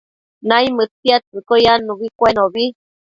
naimëdtiadtsëcquio yannubi cuenobi